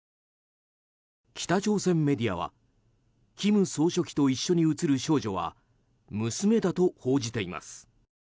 北朝鮮メディアは金総書記と一緒に映る少女は娘だと報じています。